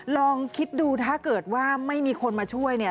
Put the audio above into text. ลองคิดดูถ้าเกิดว่าไม่มีคนมาช่วยเนี่ย